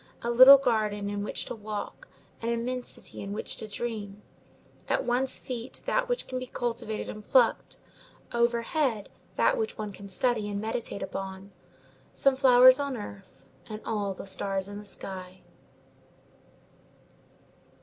A little garden in which to walk, and immensity in which to dream. At one's feet that which can be cultivated and plucked; over head that which one can study and meditate upon: some flowers on earth, and all the stars in the sky.